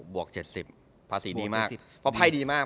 บวก๗๐ภาษีดีมาก